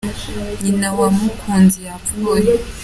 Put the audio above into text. Nyina wa mukuzi yapfuye